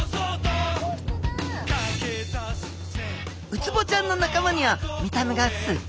ウツボちゃんの仲間には見た目がすっ